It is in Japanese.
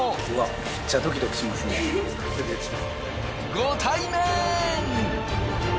ご対面！